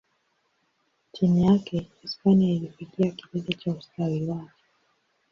Chini yake, Hispania ilifikia kilele cha ustawi wake.